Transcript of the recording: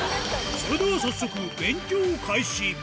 それでは早速、勉強開始。